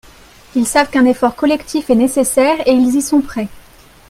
Ils savent qu’un effort collectif est nécessaire et ils y sont prêts.